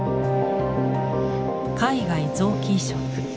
海外臓器移植